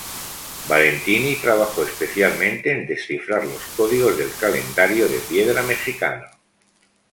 Valentini trabajó especialmente en descifrar los códigos del calendario de piedra mejicano.